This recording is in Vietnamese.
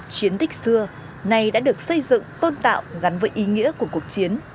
chiến tích xưa nay đã được xây dựng tôn tạo gắn với ý nghĩa của cuộc chiến